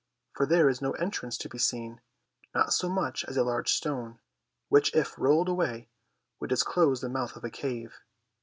for there is no entrance to be seen, not so much as a large stone, which if rolled away, would disclose the mouth of a cave.